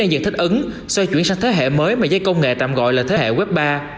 đang dần thích ứng xoay chuyển sang thế hệ mới mà dây công nghệ tạm gọi là thế hệ web ba